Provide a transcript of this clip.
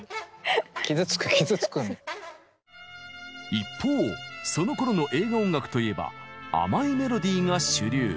一方そのころの映画音楽といえば甘いメロディーが主流。